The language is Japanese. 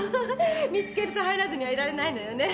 見つけると入らずにはいられないのよね。